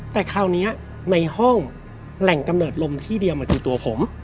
แต่คราวนี้ในห้องแหล่งกำเนิดลมที่เดียวมันคือตัวผม